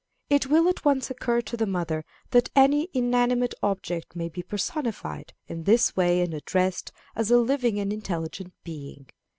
It will at once occur to the mother that any inanimate object may be personified in this way and addressed as a living and intelligent being.